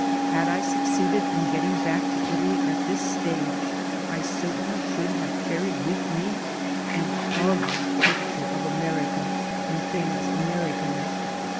Had I succeeded in getting back to Italy at this stage I certainly should have carried with me an ugly picture of America and things American.